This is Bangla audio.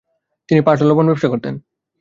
তিনি পাট ও লবণ ব্যবসা করতেন।